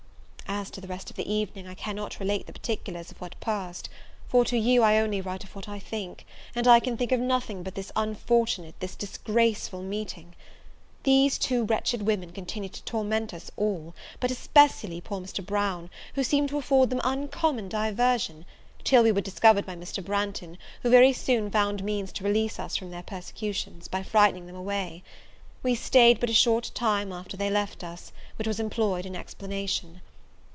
As to the rest of the evening, I cannot relate the particulars of what passed; for, to you, I only write of what I think; and I can think of nothing but this unfortunate, this disgraceful meeting. These two wretched women continued to torment us all, but especially poor Mr. Brown, who seemed to afford them uncommon diversion, till we were discovered by Mr. Branghton, who very soon found means to release us from their persecutions, by frightening them away. We stayed but a short time after they left us, which was all employed in explanation.